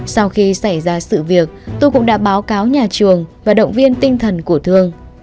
sau khi xảy ra sự việc tôi cũng đã báo cáo nhà trường và động viên tinh thần của thương